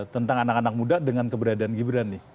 tentang anak anak muda dengan keberadaan gibran nih